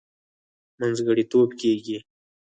منځګړتوب کېږي.